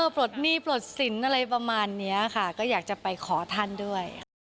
ปลดหนี้ปลดสินอะไรประมาณนี้ค่ะก็อยากจะไปขอท่านด้วยค่ะ